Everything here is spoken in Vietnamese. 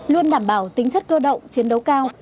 luôn đảm bảo tính chất cơ động chiến đấu cao